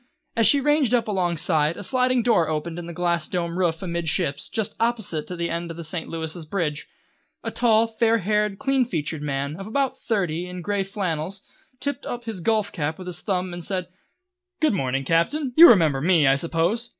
As she ranged up alongside, a sliding door opened in the glass domed roof amidships, just opposite to the end of the St. Louis' bridge. A tall, fair haired, clean featured man, of about thirty, in grey flannels, tipped up his golf cap with his thumb, and said: "Good morning, Captain! You remember me, I suppose?